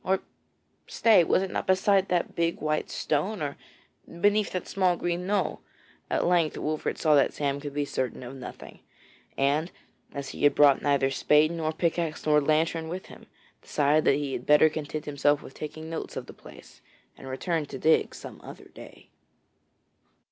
Or stay, was it not beside that big white stone, or beneath that small green knoll? At length Wolfert saw that Sam could be certain of nothing, and as he had brought neither spade nor pickaxe nor lantern with him, decided that he had better content himself with taking notes of the place, and return to dig some other day.